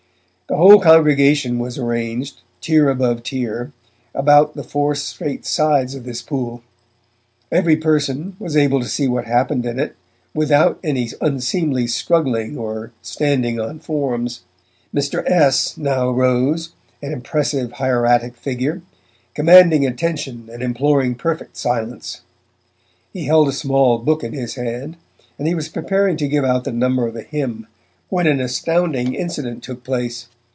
The whole congregation was arranged, tier above tier, about the four straight sides of this pool; every person was able to see what happened in it without any unseemly struggling or standing on forms. Mr. S. now rose, an impressive hieratic figure, commanding attention and imploring perfect silence. He held a small book in his hand, and he was preparing to give out the number of a hymn, when an astounding incident took place.